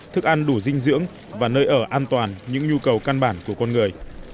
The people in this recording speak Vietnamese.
thức ăn đủ dinh dưỡng và nơi ở an toàn những nhu cầu căn bản của con người